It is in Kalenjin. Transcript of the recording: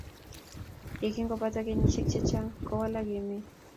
Ye kingopata kenyisiek chechang kowalak emet